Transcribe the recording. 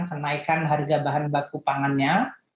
kenaikan harga bahan baku pangannya